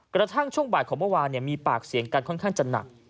กระทั่งช่วงบ่ายของเมื่อวานมีปากเสียงกันค่อนข้างจะหนัก